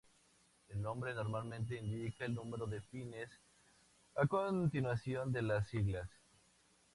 El nombre normalmente indica el número de pines a continuación de las siglas.